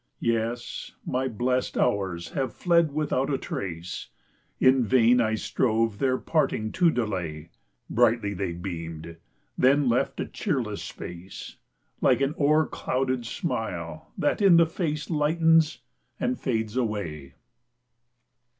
Yes, my blest hours have fled without a trace: In vain I strove their parting to delay; Brightly they beamed, then left a cheerless space, Like an o'erclouded smile, that in the face Lightens, and fades away.